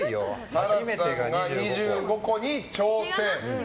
紗来さんが２５個に挑戦。